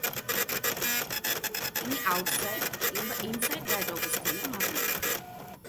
তিনি আউটসাইড কিংবা ইনসাইড-রাইট অবস্থানে মাঠে নামতেন।